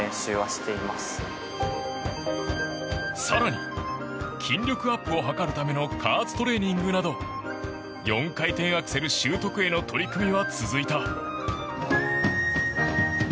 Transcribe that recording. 更に、筋力アップを図るための加圧トレーニングなど４回転アクセル習得への取り組みは続いた。